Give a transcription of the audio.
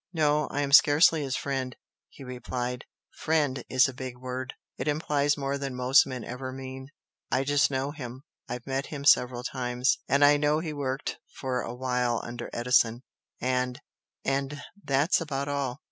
"No, I am scarcely his friend" he replied "'Friend' is a big word, it implies more than most men ever mean. I just know him I've met him several times, and I know he worked for a while under Edison and and that's about all.